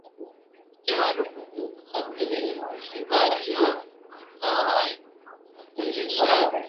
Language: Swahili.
kupiga marufuku usafirishwaji wa mazao hayo yakibiashara